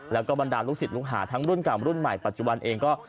แล้วก็บรรดาลูกศิษย์ลูกหาทั้งรุ่นเก่ารุ่นใหม่ปัจจุบันเองก็